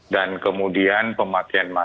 dan kemudian pematian masalah